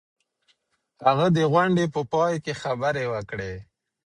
هغه د غونډې په پای کي خبري وکړې.